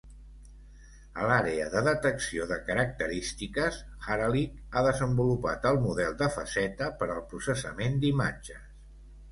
A l'àrea de detecció de característiques, Haralick ha desenvolupat el model de faceta per al processament d'imatges.